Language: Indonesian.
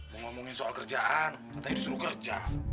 mau ngomongin soal kerjaan kita disuruh kerja